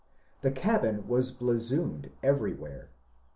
The cabin was blazoned every where.